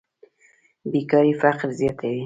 بېکاري فقر زیاتوي.